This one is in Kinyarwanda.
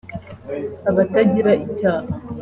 abatagira icyaha)